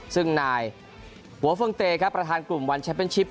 ซึ่งนายหัวเฟิงเตครับประธานกลุ่มวันแชมเป็นชิป